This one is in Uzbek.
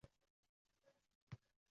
Shoir bo’lsang